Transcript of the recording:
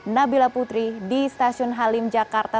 nabila putri di stasiun halim jakarta